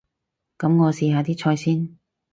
噉我試下啲菜先